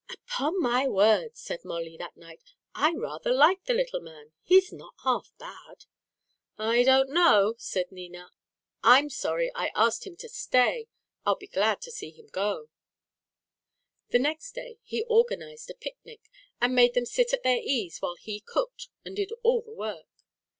"Upon my word," said Molly, that night, "I rather like the little man. He's not half bad." "I don't know," said Nina. "I'm sorry I asked him to stay. I'll be glad to see him go." The next day he organised a picnic, and made them sit at their ease while he cooked and did all the work.